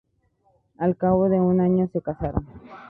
Al cabo de un año, se casaron.